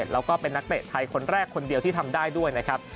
แล้วก็เป็นนักเตะไทยคนแรกคนเดียวที่ทำได้ด้วยนะครับ